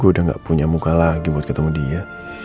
gue udah gak punya muka lagi buat ketemu dia